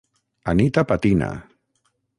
"Anita patina"...